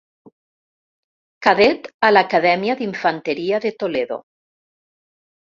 Cadet a l'Acadèmia d'Infanteria de Toledo.